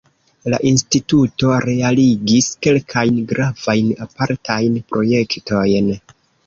La instituto realigis kelkajn gravajn apartajn projektojn.